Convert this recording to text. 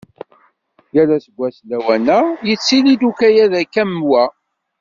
Yal aseggas lawan-a, yettili-d ukayad akka am wa.